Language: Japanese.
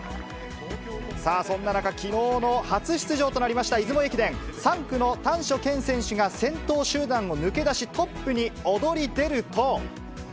さあ、そんな中、きのうの初出場となりました出雲駅伝、３区の丹所健選手が先頭集団を抜け出し、トップに躍り出ると。